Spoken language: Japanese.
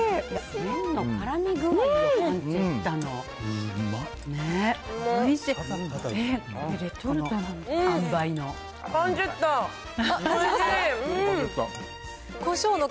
麺のからみ具合よ、パンチェッタの。